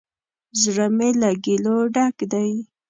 زړه می له ګیلو ډک دی